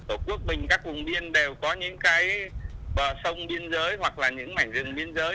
ở quốc bình các vùng biên đều có những cái sông biên giới hoặc là những mảnh rừng biên giới